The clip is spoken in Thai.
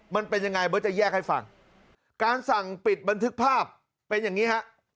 มันเป็นยังไงเบิร์ตจะแยกให้ฟังการสั่งปิดบันทึกภาพเป็นอย่างนี้ฮะ